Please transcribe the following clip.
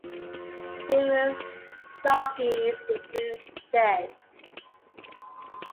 Famous jockeys include J.